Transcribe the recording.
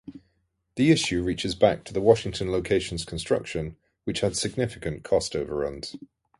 The issue reaches back to the Washington location's construction, which had significant cost overruns.